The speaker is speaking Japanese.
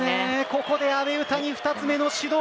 ここで阿部詩に２つ目の指導。